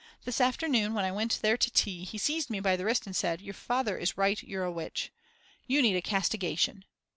This afternoon, when I went there to tea, he seized me by the wrist and said: Your father is right, you're a witch. "You need a castigation."